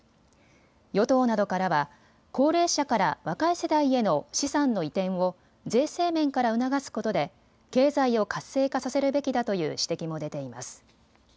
与党などからは高齢者から若い世代への資産の移転を税制面から促すことで経済を活性化させるべきだという指摘も出ています。